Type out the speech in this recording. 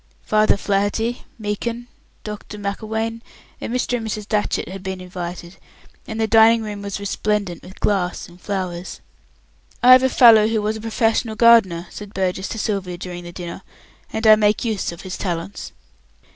Father Flaherty, Meekin, Doctor Macklewain, and Mr. and Mrs. Datchett had been invited, and the dining room was resplendent with glass and flowers. "I've a fellow who was a professional gardener," said Burgess to Sylvia during the dinner, "and I make use of his talents."